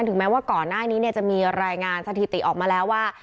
ถึงแม้ว่าก่อนหน้านี้จะมีรายงานสถิติออกมาแล้วว่า